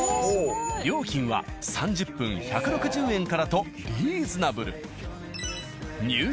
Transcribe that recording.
料金は３０分１６０円とリーズナブル。